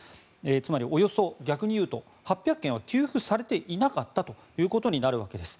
つまり逆に言うと、８００件は給付されていなかったということになるわけです。